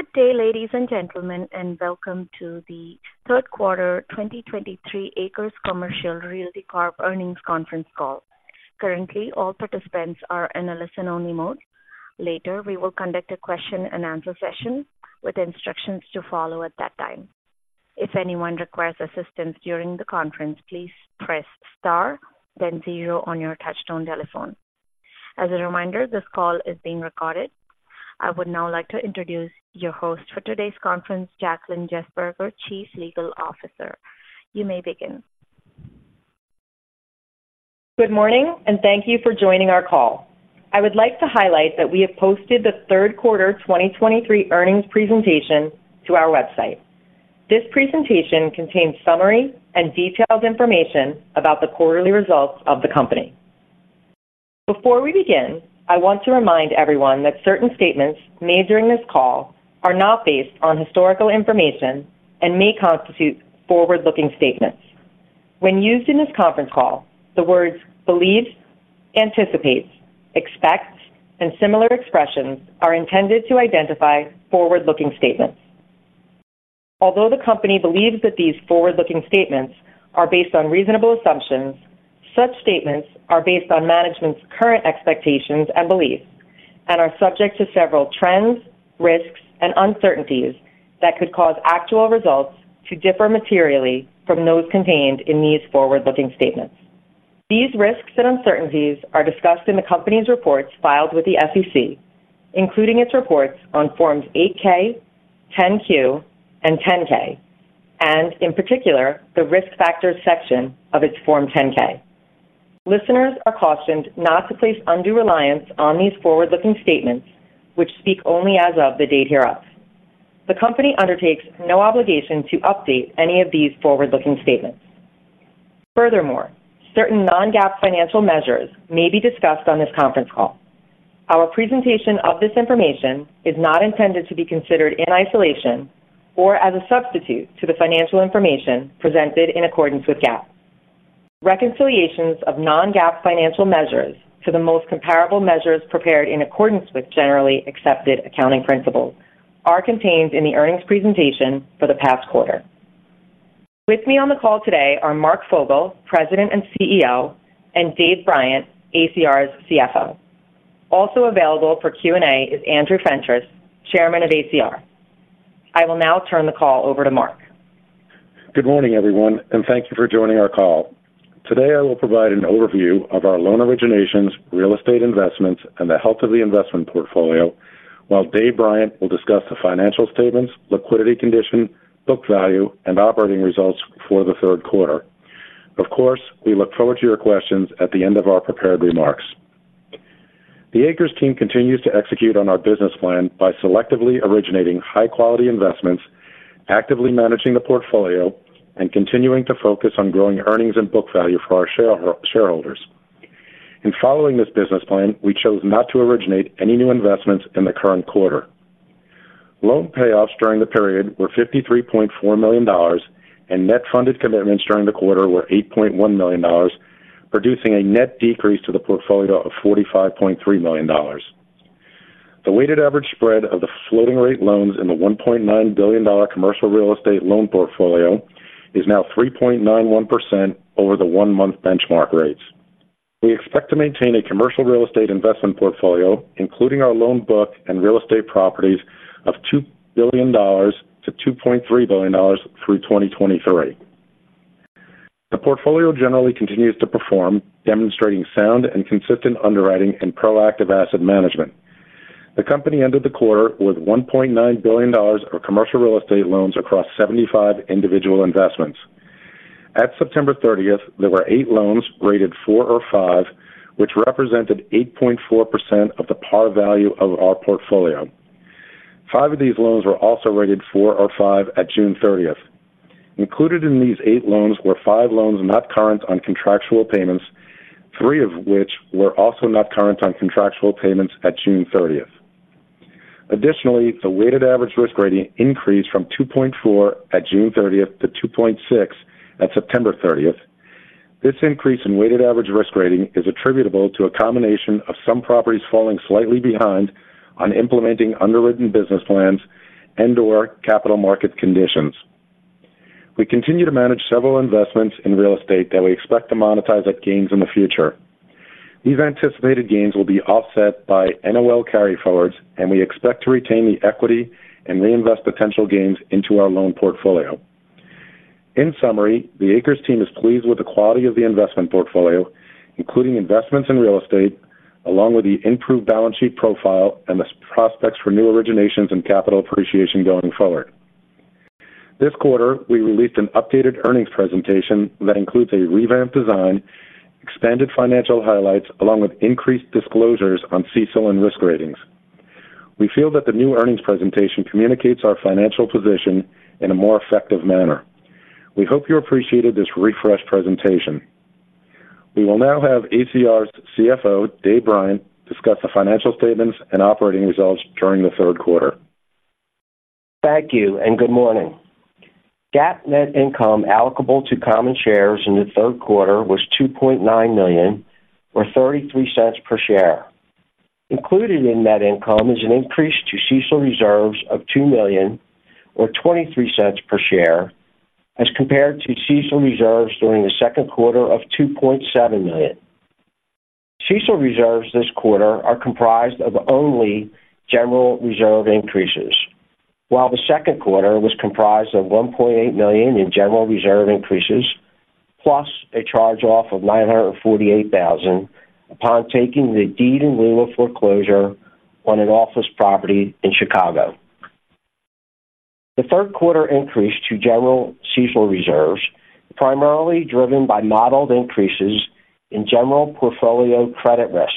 Good day, ladies and gentlemen, and welcome to the third quarter 2023 ACRES Commercial Realty Corp. Earnings Conference Call. Currently, all participants are in a listen-only mode. Later, we will conduct a question-and-answer session with instructions to follow at that time. If anyone requires assistance during the conference, please press star, then zero on your touchtone telephone. As a reminder, this call is being recorded. I would now like to introduce your host for today's conference, Jaclyn Jesberger, Chief Legal Officer. You may begin. Good morning, and thank you for joining our call. I would like to highlight that we have posted the third quarter 2023 earnings presentation to our website. This presentation contains summary and detailed information about the quarterly results of the company. Before we begin, I want to remind everyone that certain statements made during this call are not based on historical information and may constitute forward-looking statements. When used in this conference call, the words believe, anticipates, expects, and similar expressions are intended to identify forward-looking statements. Although the company believes that these forward-looking statements are based on reasonable assumptions, such statements are based on management's current expectations and beliefs and are subject to several trends, risks, and uncertainties that could cause actual results to differ materially from those contained in these forward-looking statements. These risks and uncertainties are discussed in the company's reports filed with the SEC, including its reports on Forms 8-K, 10-Q, and 10-K, and in particular, the Risk Factors section of its Form 10-K. Listeners are cautioned not to place undue reliance on these forward-looking statements, which speak only as of the date hereof. The company undertakes no obligation to update any of these forward-looking statements. Furthermore, certain Non-GAAP financial measures may be discussed on this conference call. Our presentation of this information is not intended to be considered in isolation or as a substitute to the financial information presented in accordance with GAAP. Reconciliations of Non-GAAP financial measures to the most comparable measures prepared in accordance with generally accepted accounting principles are contained in the earnings presentation for the past quarter. With me on the call today are Mark Fogel, President and CEO, and Dave Bryant, ACR's CFO. Also available for Q&A is Andrew Fentress, Chairman of ACR. I will now turn the call over to Mark. Good morning, everyone, and thank you for joining our call. Today, I will provide an overview of our loan originations, real estate investments, and the health of the investment portfolio, while Dave Bryant will discuss the financial statements, liquidity condition, book value, and operating results for the third quarter. Of course, we look forward to your questions at the end of our prepared remarks. The ACRES team continues to execute on our business plan by selectively originating high-quality investments, actively managing the portfolio, and continuing to focus on growing earnings and book value for our shareholders. In following this business plan, we chose not to originate any new investments in the current quarter. Loan payoffs during the period were $53.4 million, and net funded commitments during the quarter were $8.1 million, producing a net decrease to the portfolio of $45.3 million. The weighted average spread of the floating-rate loans in the $1.9 billion commercial real estate loan portfolio is now 3.91% over the one-month benchmark rates. We expect to maintain a commercial real estate investment portfolio, including our loan book and real estate properties, of $2 billion-$2.3 billion through 2023. The portfolio generally continues to perform, demonstrating sound and consistent underwriting and proactive asset management. The company ended the quarter with $1.9 billion of commercial real estate loans across 75 individual investments. At September 30th, there were eight loans rated four or five, which represented 8.4% of the par value of our portfolio. Five of these loans were also rated four or five at June 30th. Included in these eight loans were five loans not current on contractual payments, three of which were also not current on contractual payments at June 30th. Additionally, the weighted average risk rating increased from 2.4 at June 30th to 2.6 at September 30th. This increase in weighted average risk rating is attributable to a combination of some properties falling slightly behind on implementing underwritten business plans and/or capital market conditions. We continue to manage several investments in real estate that we expect to monetize at gains in the future. These anticipated gains will be offset by NOL carryforwards, and we expect to retain the equity and reinvest potential gains into our loan portfolio. In summary, the ACRES team is pleased with the quality of the investment portfolio, including investments in real estate, along with the improved balance sheet profile and the prospects for new originations and capital appreciation going forward. This quarter, we released an updated earnings presentation that includes a revamped design, expanded financial highlights, along with increased disclosures on CECL and risk ratings. We feel that the new earnings presentation communicates our financial position in a more effective manner. We hope you appreciated this refreshed presentation. We will now have ACR's CFO, Dave Bryant, discuss the financial statements and operating results during the third quarter. Thank you, and good morning. ... GAAP net income allocable to common shares in the third quarter was $2.9 million, or $0.33 per share. Included in net income is an increase to CECL reserves of $2 million, or $0.23 per share, as compared to CECL reserves during the second quarter of $2.7 million. CECL reserves this quarter are comprised of only general reserve increases, while the second quarter was comprised of $1.8 million in general reserve increases, plus a charge-off of $948,000 upon taking the deed in lieu of foreclosure on an office property in Chicago. The third quarter increase to general CECL reserves, primarily driven by modeled increases in general portfolio credit risk,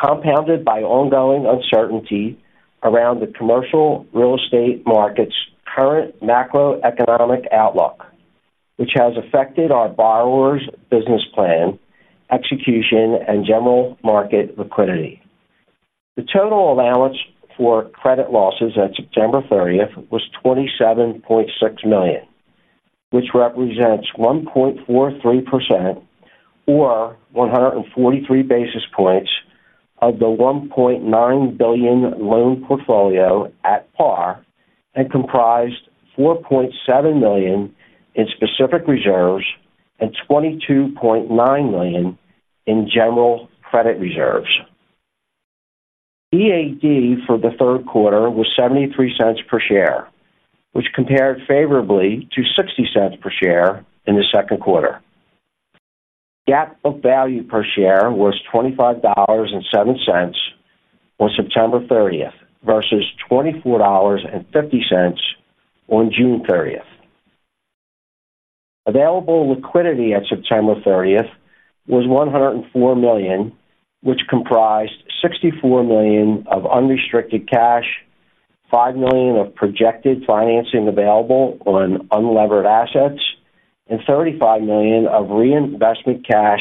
compounded by ongoing uncertainty around the commercial real estate market's current macroeconomic outlook, which has affected our borrowers' business plan, execution, and general market liquidity. The total allowance for credit losses on September 30 was $27.6 million, which represents 1.43% or 143 basis points of the $1.9 billion loan portfolio at par and comprised $4.7 million in specific reserves and $22.9 million in general credit reserves. EAD for the third quarter was $0.73 per share, which compared favorably to $0.60 per share in the second quarter. GAAP book value per share was $25.07 on September 30 versus $24.50 on June 30. Available liquidity at September 30 was $104 million, which comprised $64 million of unrestricted cash, $5 million of projected financing available on unlevered assets, and $35 million of reinvestment cash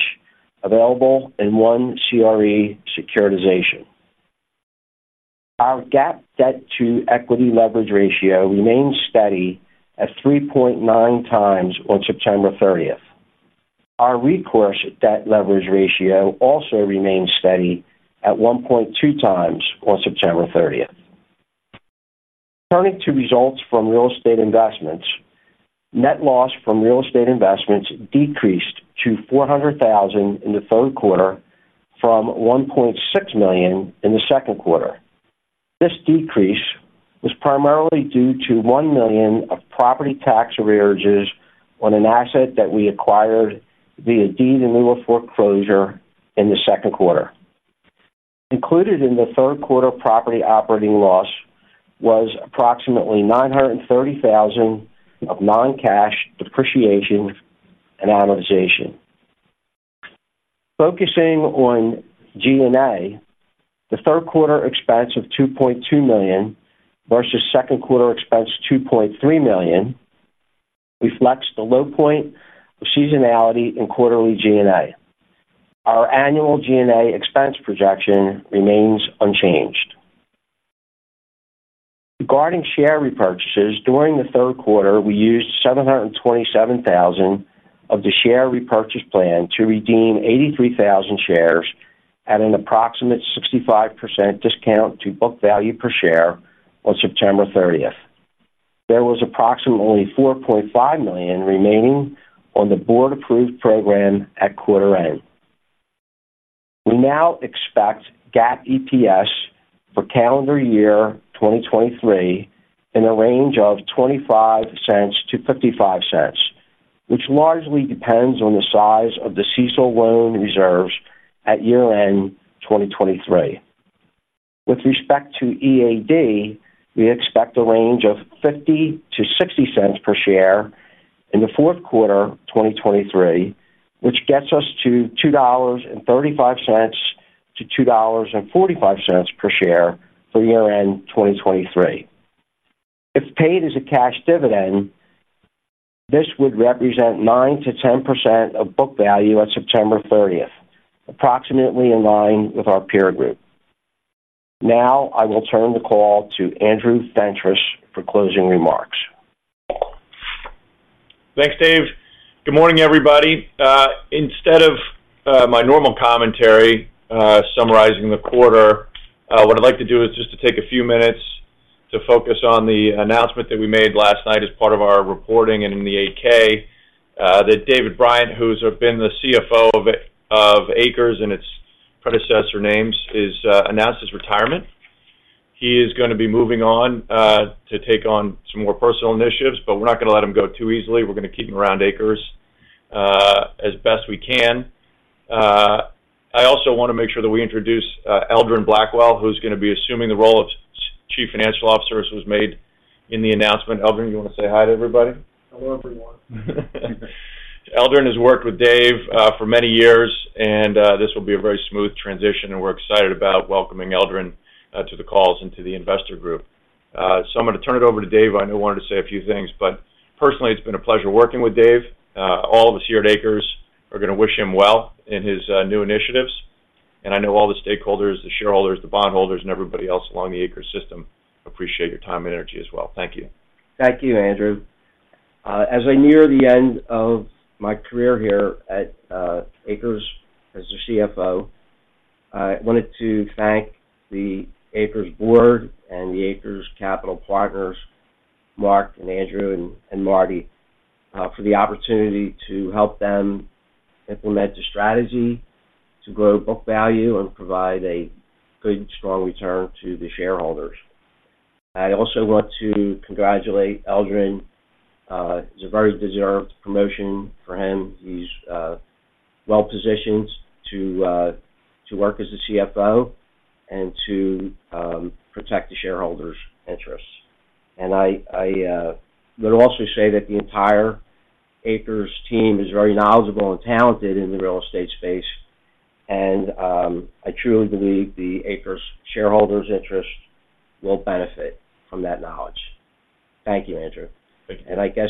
available in one CRE securitization. Our GAAP debt-to-equity leverage ratio remains steady at 3.9 times on September 30th. Our recourse debt leverage ratio also remains steady at 1.2 times on September 30th. Turning to results from real estate investments. Net loss from real estate investments decreased to $400,000 in the third quarter from $1.6 million in the second quarter. This decrease was primarily due to $1 million of property tax arrearages on an asset that we acquired via deed in lieu of foreclosure in the second quarter. Included in the third quarter property operating loss was approximately $930,000 of non-cash depreciation and amortization. Focusing on G&A, the third quarter expense of $2.2 million versus second quarter expense $2.3 million, reflects the low point of seasonality in quarterly G&A. Our annual G&A expense projection remains unchanged. Regarding share repurchases, during the third quarter, we used $727,000 of the share repurchase plan to redeem 83,000 shares at an approximate 65% discount to book value per share on September 30th. There was approximately $4.5 million remaining on the board-approved program at quarter end. We now expect GAAP EPS for calendar year 2023 in a range of $0.25-$0.55, which largely depends on the size of the CECL loan reserves at year-end 2023. With respect to EAD, we expect a range of $0.50-$0.60 per share in the fourth quarter 2023, which gets us to $2.35-$2.45 per share for year-end 2023. If paid as a cash dividend, this would represent 9%-10% of book value at September 30th, approximately in line with our peer group. Now I will turn the call to Andrew Fentress for closing remarks. Thanks, Dave. Good morning, everybody. Instead of my normal commentary summarizing the quarter, what I'd like to do is just to take a few minutes to focus on the announcement that we made last night as part of our reporting and in the 8-K, that David Bryant, who's been the CFO of ACRES and its predecessor names, announced his retirement. He is going to be moving on to take on some more personal initiatives, but we're not going to let him go too easily. We're going to keep him around ACRES as best we can. I also want to make sure that we introduce Eldron Blackwell, who's going to be assuming the role of Chief Financial Officer, as was made in the announcement. Eldron, you want to say hi to everybody? Hello, everyone. Eldron has worked with Dave for many years, and this will be a very smooth transition, and we're excited about welcoming Eldron to the calls and to the investor group. So I'm going to turn it over to Dave. I know he wanted to say a few things, but personally, it's been a pleasure working with Dave. All of us here at ACRES are going to wish him well in his new initiatives.... And I know all the stakeholders, the shareholders, the bondholders, and everybody else along the ACRES system appreciate your time and energy as well. Thank you. Thank you, Andrew. As I near the end of my career here at ACRES as the CFO, I wanted to thank the ACRES board and the ACRES Capital Partners, Mark and Andrew and Marty, for the opportunity to help them implement a strategy to grow book value and provide a good, strong return to the shareholders. I also want to congratulate Eldron. It's a very deserved promotion for him. He's well-positioned to work as a CFO and to protect the shareholders' interests. And I would also say that the entire ACRES team is very knowledgeable and talented in the real estate space, and I truly believe the ACRES shareholders' interest will benefit from that knowledge. Thank you, Andrew. Thank you. I guess,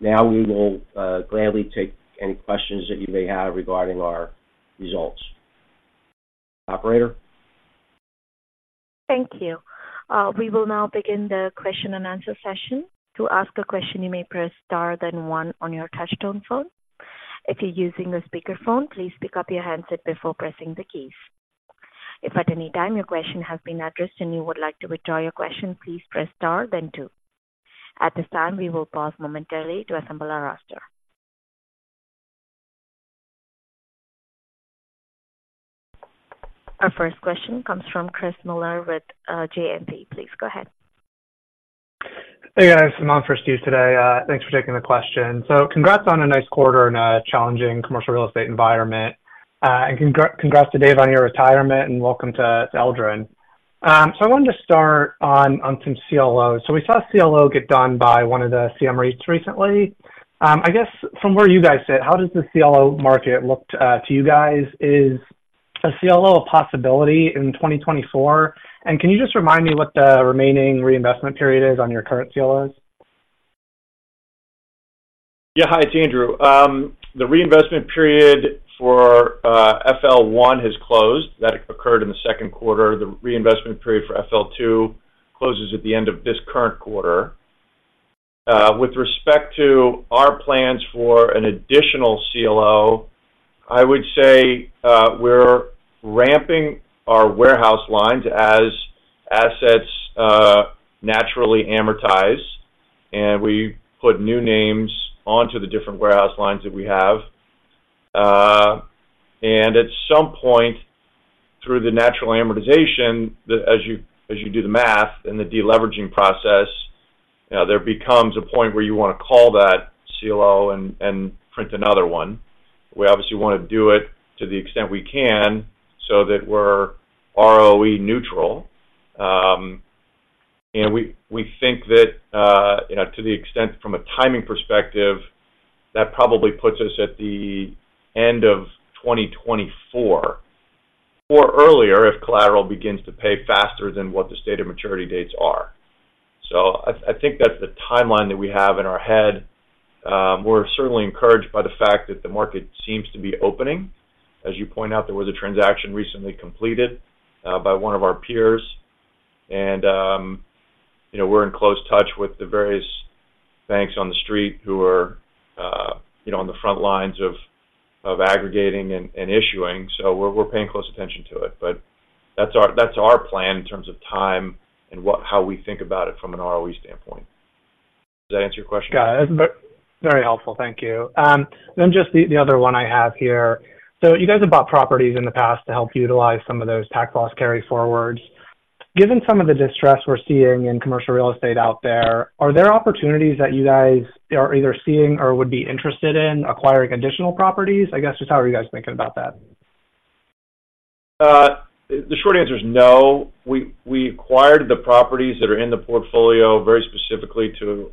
now we will gladly take any questions that you may have regarding our results. Operator? Thank you. We will now begin the question-and-answer session. To ask a question, you may press Star, then one on your touchtone phone. If you're using a speakerphone, please pick up your handset before pressing the keys. If at any time your question has been addressed and you would like to withdraw your question, please press Star, then two. At this time, we will pause momentarily to assemble our roster. Our first question comes from Chris Muller with JMP. Please go ahead. Hey, guys. I'm on first for you today. Thanks for taking the question. So congrats on a nice quarter in a challenging commercial real estate environment. And congrats to Dave on your retirement, and welcome to Eldron. So I wanted to start on some CLOs. So we saw a CLO get done by one of the mREITs recently. I guess from where you guys sit, how does the CLO market look to you guys? Is a CLO a possibility in 2024? And can you just remind me what the remaining reinvestment period is on your current CLOs? Yeah. Hi, it's Andrew. The reinvestment period for FL1 has closed. That occurred in the second quarter. The reinvestment period for FL2 closes at the end of this current quarter. With respect to our plans for an additional CLO, I would say we're ramping our warehouse lines as assets naturally amortize, and we put new names onto the different warehouse lines that we have. And at some point through the natural amortization, as you do the math and the deleveraging process, there becomes a point where you want to call that CLO and print another one. We obviously want to do it to the extent we can so that we're ROE neutral. And we, we think that, you know, to the extent from a timing perspective, that probably puts us at the end of 2024, or earlier, if collateral begins to pay faster than what the stated maturity dates are. So I, I think that's the timeline that we have in our head. We're certainly encouraged by the fact that the market seems to be opening. As you point out, there was a transaction recently completed by one of our peers, and, you know, we're in close touch with the various banks on The Street who are, you know, on the front lines of aggregating and issuing, so we're paying close attention to it. But that's our plan in terms of time and what—how we think about it from an ROE standpoint. Does that answer your question? Got it. Very helpful. Thank you. Then just the other one I have here: so you guys have bought properties in the past to help utilize some of those tax loss carryforwards. Given some of the distress we're seeing in commercial real estate out there, are there opportunities that you guys are either seeing or would be interested in acquiring additional properties? I guess, just how are you guys thinking about that? The short answer is no. We acquired the properties that are in the portfolio very specifically to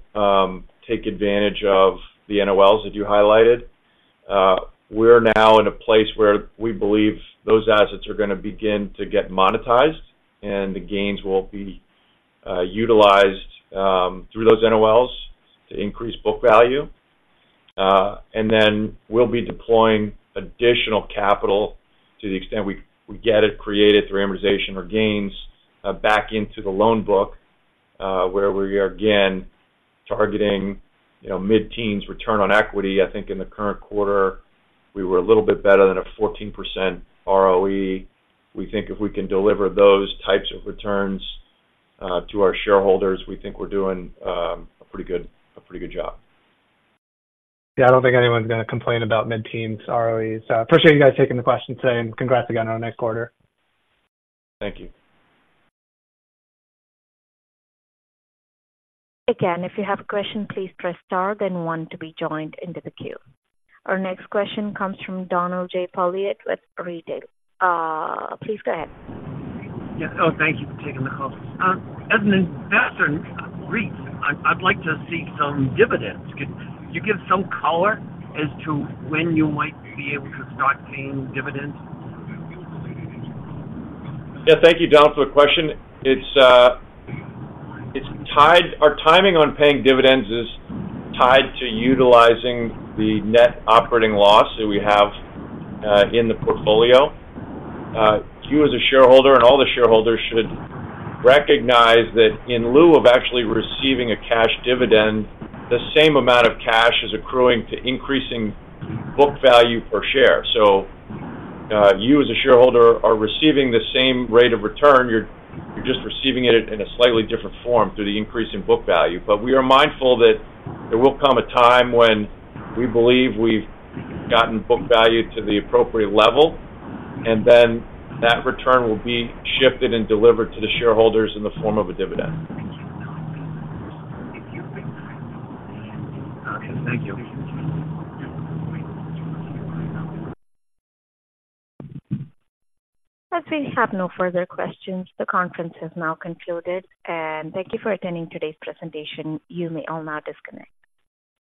take advantage of the NOLs that you highlighted. We're now in a place where we believe those assets are gonna begin to get monetized, and the gains will be utilized through those NOLs to increase book value. And then we'll be deploying additional capital to the extent we get it created through amortization or gains back into the loan book, where we are again targeting, you know, mid-teens return on equity. I think in the current quarter, we were a little bit better than a 14% ROE. We think if we can deliver those types of returns to our shareholders, we think we're doing a pretty good, a pretty good job. Yeah, I don't think anyone's gonna complain about mid-teens ROEs. So I appreciate you guys taking the question today, and congrats again on a nice quarter. Thank you. Again, if you have a question, please press star, then one to be joined into the queue. Our next question comes from Donald J. Poliet with Retail. Please go ahead. Yeah. Oh, thank you for taking the call. As an investor in REIT, I'd, I'd like to see some dividends. Could you give some color as to when you might be able to start paying dividends? Yeah, thank you, Donald, for the question. It's, it's tied. Our timing on paying dividends is tied to utilizing the net operating loss that we have, in the portfolio. You, as a shareholder, and all the shareholders should recognize that in lieu of actually receiving a cash dividend, the same amount of cash is accruing to increasing book value per share. So, you, as a shareholder, are receiving the same rate of return. You're, you're just receiving it in a slightly different form through the increase in book value. But we are mindful that there will come a time when we believe we've gotten book value to the appropriate level, and then that return will be shipped and delivered to the shareholders in the form of a dividend. Okay. Thank you. As we have no further questions, the conference has now concluded, and thank you for attending today's presentation. You may all now disconnect.